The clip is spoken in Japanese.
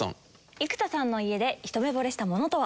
生田さんの家でひと目ぼれした物とは？